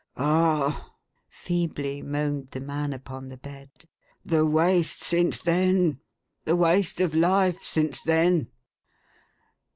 "Ah!" feebly moaned the man upon the bed. "The waste since then, the waste of life since then